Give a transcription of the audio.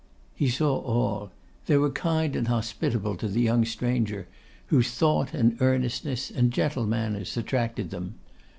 He saw all; they were kind and hospitable to the young stranger, whose thought, and earnestness, and gentle manners attracted them.